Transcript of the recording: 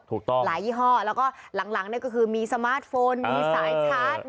ถูกต้องหลายยี่ห้อแล้วก็หลังก็คือมีสมาร์ทโฟนมีสายชาร์จ